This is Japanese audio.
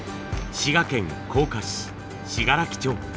滋賀県甲賀市信楽町。